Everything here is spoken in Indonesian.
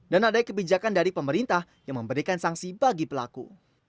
dan adanya kebijakan dari pemerintah yang memberikan sanksi bagi pelaku